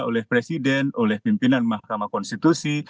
oleh presiden oleh pimpinan mahkamah konstitusi